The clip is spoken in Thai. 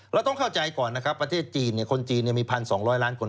เราต้องเข้าใจก่อนนะครับประเทศจีนคนจีนมี๑๒๐๐ล้านคน